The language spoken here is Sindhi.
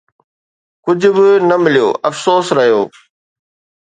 ڪجهه به نه مليو، افسوس رهيو